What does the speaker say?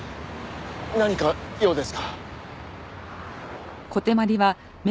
何か用ですか？